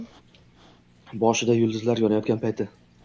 Boshida yulduzlar yonayotgan payti